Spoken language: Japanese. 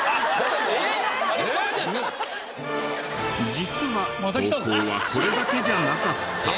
実は投稿はこれだけじゃなかった。